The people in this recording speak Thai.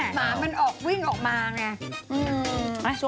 หมามันออกวิ่งออกมาไง